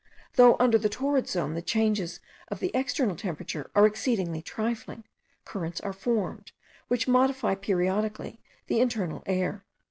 Though under the torrid zone, the changes of the external temperature are exceedingly trifling, currents are formed, which modify periodically the internal air.